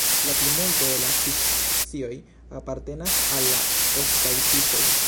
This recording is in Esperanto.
La plimulto de la fiŝ-specioj apartenas al la ostaj fiŝoj.